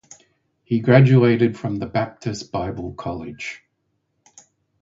He graduated from the Baptist Bible College.